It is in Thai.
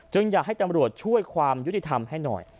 อยากให้ตำรวจช่วยความยุติธรรมให้หน่อย